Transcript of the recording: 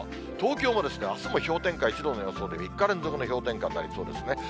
東京もあすも氷点下１度の予想で、３日連続の氷点下になりそうですね。